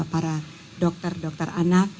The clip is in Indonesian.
para dokter dokter anak